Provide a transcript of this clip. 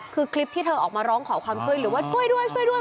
คือคลิปที่เธอออกมาร้องขอความช่วยเหลือหรือว่าช่วยด้วยช่วยด้วย